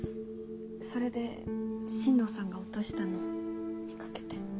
それで新藤さんが落としたのを見かけて。